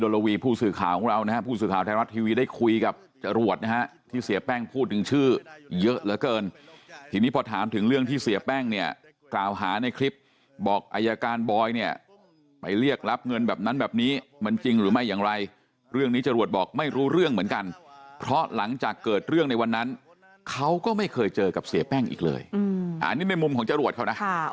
แล้วก็ไม่เคยเจอกับเสียแป้งอีกเลยอันนี้เป็นมุมของจรวจเขานะ